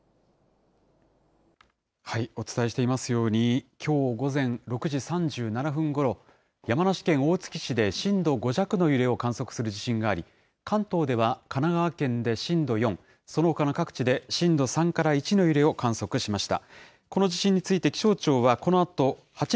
お伝えしていますように、きょう午前６時３７分ごろ、山梨県大月市で震度５弱の揺れを観測する地震があり、関東では神奈川県で震度４、そのほかの各地で震度３から１の揺れを観測しました。